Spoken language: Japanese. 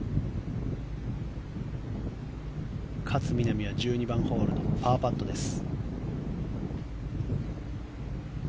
勝みなみは１２番ホールパーパットです。